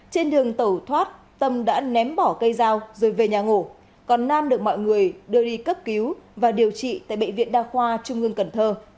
trên đường tẩu thoát tâm đã ném bỏ cây dao rồi về nhà ngủ còn nam được mọi người đưa đi cấp cứu và điều trị tại bệnh viện đa khoa trung ương cần thơ